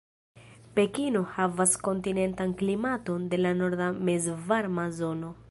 Pekino havas kontinentan klimaton de la norda mezvarma zono.